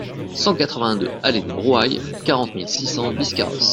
cent quatre-vingt-deux allée de Brouhailles, quarante mille six cents Biscarrosse